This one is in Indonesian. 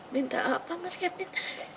minta apa mas kevin